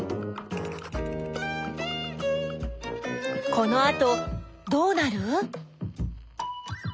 このあとどうなる？